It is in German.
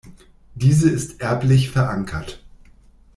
Diese ist erblich verankert.